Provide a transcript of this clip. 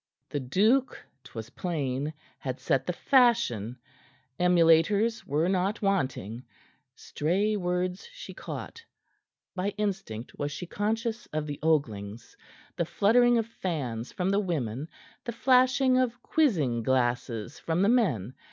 The duke, 'twas plain, had set the fashion. Emulators were not wanting. Stray words she caught; by instinct was she conscious of the oglings, the fluttering of fans from the women, the flashing of quizzing glasses from the men.